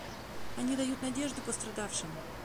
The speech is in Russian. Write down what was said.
Они дают надежду пострадавшим.